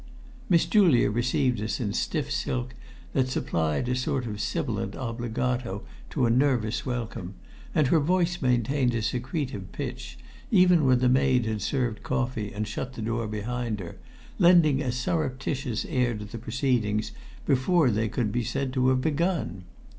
Miss Julia received us in stiff silk that supplied a sort of sibilant obbligato to a nervous welcome; and her voice maintained a secretive pitch, even when the maid had served coffee and shut the door behind her, lending a surreptitious air to the proceedings before they could be said to have begun.